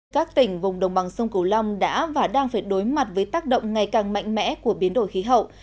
các tỉnh vùng đồng bằng sông cửu long đã và đang phải đối mặt với tác động ngày càng mạnh mẽ của biến đổi khí hậu